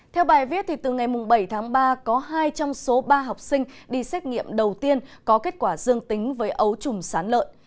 theo bài viết từ ngày bảy tháng ba có hai trong số ba học sinh đi xét nghiệm đầu tiên có kết quả dương tính với ấu trùng sán lợn